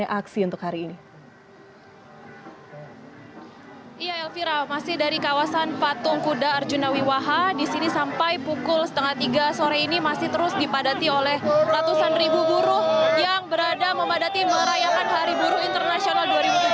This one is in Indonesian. sejak senin pagi sampai pukul lima tiga puluh sore ini masih terus dipadati oleh ratusan ribu buruh yang berada memadati merayakan hari buruh internasional dua ribu tujuh belas